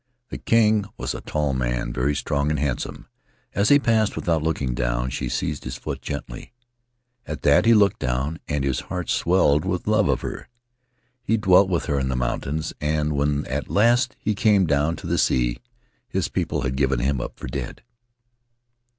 This king was a tall man, very strong and handsome; as he passed without looking down, she seized his foot gently. At that he looked down and his heart swelled with love of her. He dwelt with her in the mountains, and when at last he came down to the sea his people had given him up for dead.